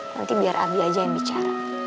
nanti biar abi aja yang bicara